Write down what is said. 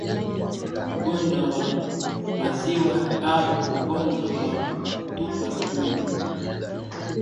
Ugonjwa wa Maziwa au Ugonjwa wa Kutupa Mimba